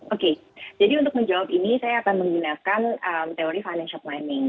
oke jadi untuk menjawab ini saya akan menggunakan teori financial planning